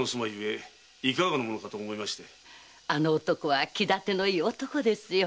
あの男は気立てのいい男ですよ。